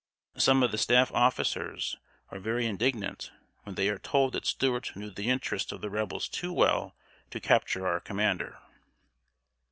Some of the staff officers are very indignant when they are told that Stuart knew the interest of the Rebels too well to capture our commander.